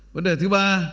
vấn đề thứ ba